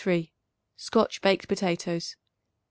Scotch Baked Potatoes.